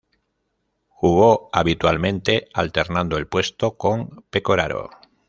Jugó habitualmente, alternando el puesto con Pecoraro.